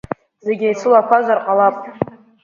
Зегь еицылақәазар ҟалап.